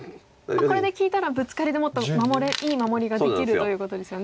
これで利いたらブツカリでもっといい守りができるということですよね。